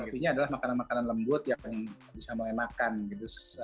artinya adalah makanan makanan lembut yang bisa melenakan gitu